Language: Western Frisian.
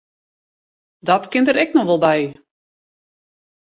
Dat kin der ek noch wol by.